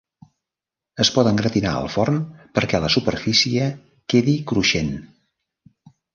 Es poden gratinar al forn, perquè la superfície quedi cruixent.